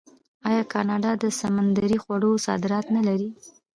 آیا کاناډا د سمندري خوړو صادرات نلري؟